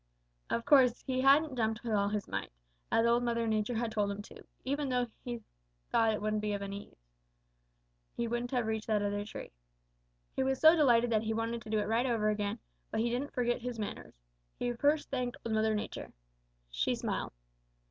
Of course if he hadn't jumped with all his might, as Old Mother Nature had told him to, even though he thought it wouldn't be of any use, he wouldn't have reached that other tree. "He was so delighted that he wanted to do it right over again, but he didn't forget his manners. He first thanked Old Mother Nature. "She smiled.